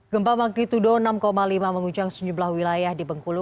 gempa magnitudo enam lima menguncang sejumlah wilayah di bengkulu